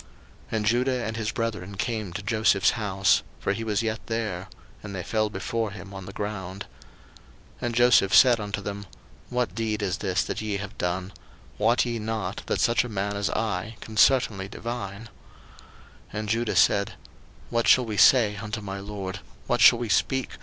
01:044:014 And Judah and his brethren came to Joseph's house; for he was yet there: and they fell before him on the ground. 01:044:015 And Joseph said unto them, What deed is this that ye have done? wot ye not that such a man as I can certainly divine? 01:044:016 And Judah said, What shall we say unto my lord? what shall we speak?